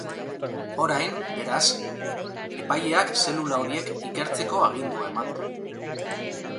Orain, beraz, eipaileak zelula horiek ikertzeko agindua eman du.